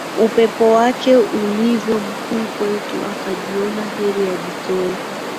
Upendo wake ulivyo mkuu kwetu akajiona heri ajitoe.